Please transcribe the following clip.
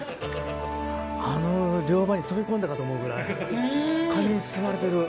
あの漁場に飛び込んだかと思うぐらいカニに包まれてる。